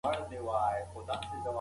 که کسب وي نو محتاجی نه وي.